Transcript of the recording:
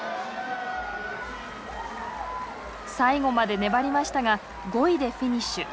最後まで粘りましたが５位でフィニッシュ。